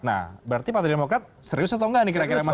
nah berarti partai demokrat serius atau enggak nih kira kira mas